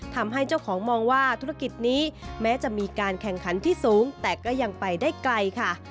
ทำให้เจ้าของมองว่าธุรกิจนี้แม้จะมีการแข่งขันที่สูงแต่ก็ยังไปได้ไกลค่ะ